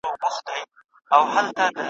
میرو ملک سي بلوخاني سي ,